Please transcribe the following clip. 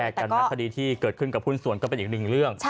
กันนะคดีที่เกิดขึ้นกับหุ้นส่วนก็เป็นอีกหนึ่งเรื่อง